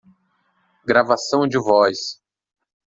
Gravação de voz.